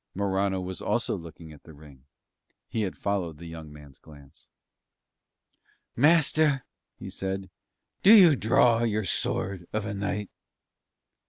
Morano was also looking at the ring; he had followed the young man's glance. "Master," he said, "do you draw your sword of a night?"